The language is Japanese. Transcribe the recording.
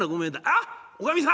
あっおかみさん！